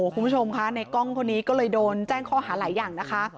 คุณผู้ชมค่ะในกล้องคนนี้ก็เลยโดนแจ้งข้อหาหลายอย่างนะคะ